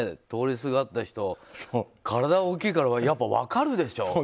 通りすがった人体が大きいからやっぱ分かるでしょ。